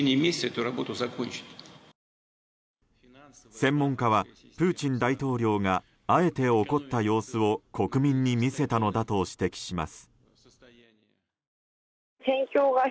専門家はプーチン大統領があえて怒った様子を国民に見せたのだと指摘します。